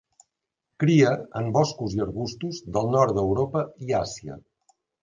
Cria en boscos i arbustos del nord d'Europa i Àsia.